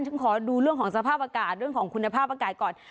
ขอดูเรื่องของสภาพอากาศเรื่องของคุณภาพอากาศก่อน